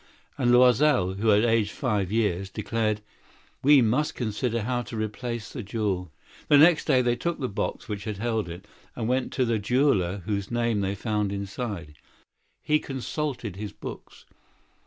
Loisel, who had aged five years, declared: "We must consider how to replace that ornament." The next day they took the box that had contained it and went to the jeweler whose name was found within. He consulted his books.